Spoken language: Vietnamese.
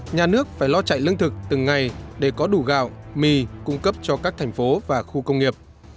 nhà nước phải lo chạy lương thực từng ngày để có đủ gạo mì cung cấp cho các thành phố và khu công nghiệp